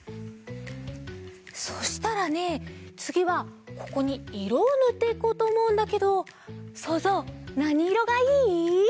そしたらねつぎはここにいろをぬっていこうとおもうんだけどそうぞうなにいろがいい？